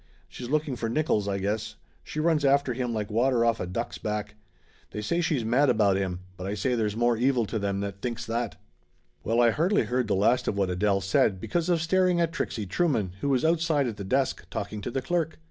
She's looking for Nickolls, I guess. She runs after him like water off a duck's back. They say she's mad Laughter Limited 87 about him, but I say there's more evil to them that thinks it!" Well, I hardly heard the last of what Adele said, because of staring at Trixie Trueman, who was out side at the desk talking to the clerk.